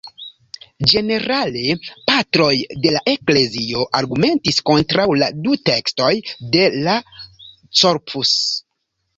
Ĝenerale Patroj de la Eklezio argumentis kontraŭ la du tekstoj de la Corpus.